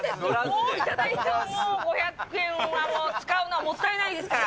もう頂いてもう、５００円は使うのはもったいないですから。